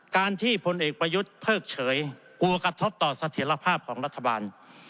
การที่พลเอกประยุทธ์เพิกเฉยกลัวกระทบต่อเสถียรภาพของรัฐบาล